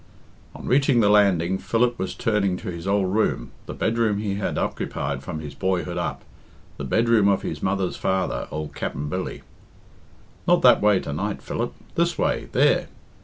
On reaching the landing, Philip was turning to his old room, the bedroom he had occupied from his boyhood up, the bedroom of his mother's father, old Capt'n Billy. "Not that way to night, Philip. This way _there!